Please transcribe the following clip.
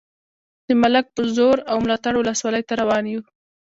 د ملک په زور او ملاتړ ولسوالۍ ته روان یو.